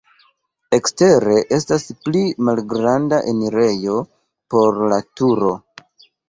Ekstere estas pli malgranda enirejo por la turo.